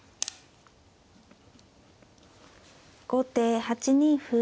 後手８二歩。